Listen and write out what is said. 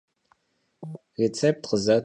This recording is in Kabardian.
Rêtsêpt khızet.